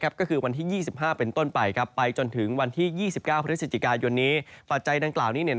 ก็คือวันที่๒๕เป็นต้นไปไปจนถึงวันที่๒๙พฤศจิกายนนี้ปัจจัยดังกล่าวนี้